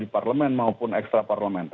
di parlemen maupun ekstraparlemen